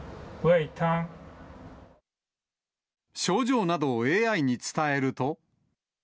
症状などをＡＩに伝えると。